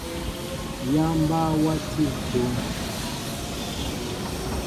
Yááŋ mbaa wati ntúŋ.